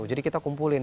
jadi kita kumpulin